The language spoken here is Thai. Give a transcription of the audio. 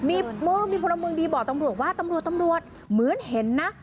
มีพลเมืองดีบอกตำรวจว่าตำรวจมือนเห็นน่ะ